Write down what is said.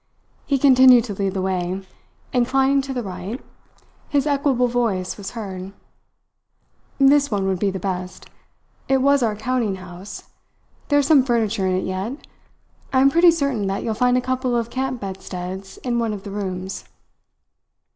He continued to lead the way, inclining to the right. His equable voice was heard: "This one would be the best. It was our counting house. There is some furniture in it yet. I am pretty certain that you'll find a couple of camp bedsteads in one of the rooms."